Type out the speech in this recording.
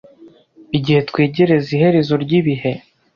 igihe twegereza iherezo ry’ibihe